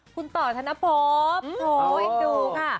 คุณต่อธนภพเอ็นดูค่ะ